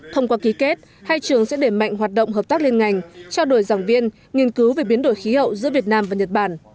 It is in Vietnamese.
thông qua ký kết hai trường sẽ để mạnh hoạt động hợp tác liên ngành trao đổi giảng viên nghiên cứu về biến đổi khí hậu giữa việt nam và nhật bản